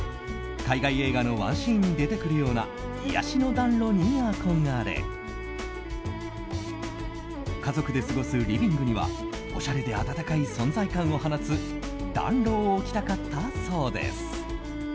海外映画のワンシーンに出てくるような癒やしの暖炉に憧れ家族で過ごすリビングにはおしゃれで暖かい存在感を放つ暖炉を置きたかったそうです。